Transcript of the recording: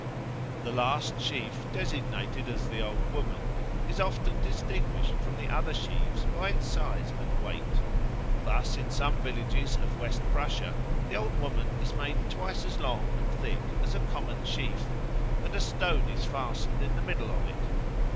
The last sheaf, designated as the Old Woman, is often distinguished from the other sheaves by its size and weight. Thus in some villages of West Prussia the Old Woman is made twice as long and thick as a common sheaf, and a stone is fastened in the middle of it.